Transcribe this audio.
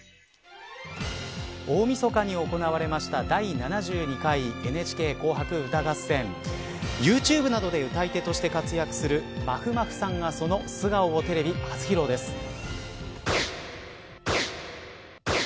大みそかに行われました第７２回ＮＨＫ紅白歌合戦ユーチューブなどで歌い手として活躍するまふまふさんがその素顔をテレビ初披露です。